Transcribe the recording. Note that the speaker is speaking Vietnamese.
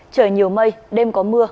trời nhiều mây đêm có mưa